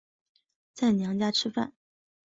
在娘家吃饭